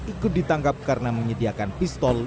ikut ditangkap karena menyediakan pistol